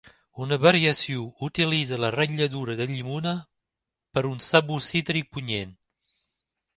Una variació utilitza la ratlladura de llimona, per a un sabor cítric punyent.